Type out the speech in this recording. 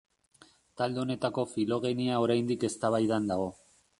Talde honetako filogenia oraindik eztabaidan dago.